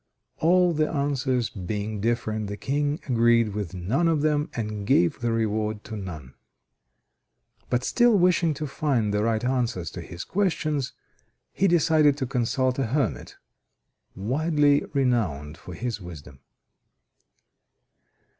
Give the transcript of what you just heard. All the answers being different, the King agreed with none of them, and gave the reward to none. But still wishing to find the right answers to his questions, he decided to consult a hermit, widely renowned for his wisdom.